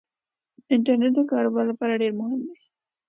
انټرنيټ دکار وبار لپاره ډیرمهم دی